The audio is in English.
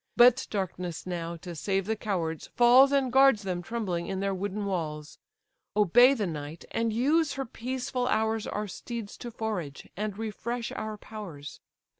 But darkness now, to save the cowards, falls, And guards them trembling in their wooden walls. Obey the night, and use her peaceful hours Our steeds to forage, and refresh our powers.